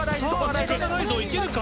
時間がないぞ行けるか？